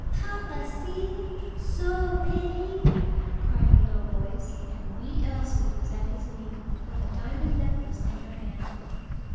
"Papa, see! so pitty!" cried a little voice; and "wee Elsie" was at his knee, with a diamond necklace in her hand.